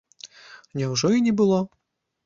Няўжо і не было?